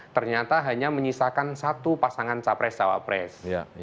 ternyata hanya menyisakan satu pasangan capres cawapres